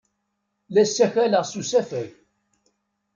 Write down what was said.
La ssakaleɣ s usafag.